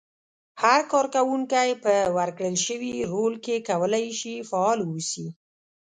هر کار کوونکی په ورکړل شوي رول کې کولای شي فعال واوسي.